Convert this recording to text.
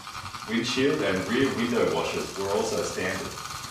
Windshield and rear window washers were also standard.